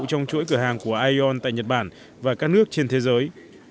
trong chuỗi cửa hàng của ieon tại nhật bản và các nước trên thế giới